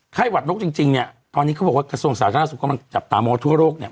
หวัดนกจริงเนี่ยตอนนี้เขาบอกว่ากระทรวงสาธารณสุขกำลังจับตามองว่าทั่วโลกเนี่ย